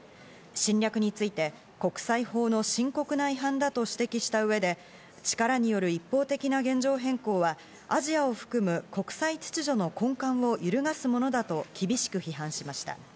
侵略について国際法の深刻な違反だと指摘した上で、力による一方的な現状変更はアジアを含む国際秩序の根幹を揺るがすものだと厳しく批判しました。